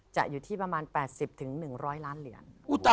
อยู่ที่ประมาณ๘๐๑๐๐ล้านเหรียญ